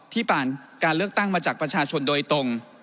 ผ่านการเลือกตั้งมาจากประชาชนโดยตรง